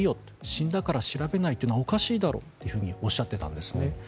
死んだから調べないというのはおかしいだろというふうにおっしゃってたんですね。